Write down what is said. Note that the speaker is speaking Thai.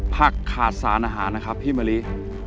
ขาดสารอาหารนะครับพี่มะลิ